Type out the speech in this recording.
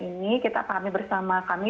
ini kita pahami bersama kami